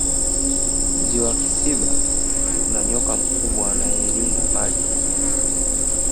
ziwa kisiba kuna nyoka mkubwa anaelinda mali hizo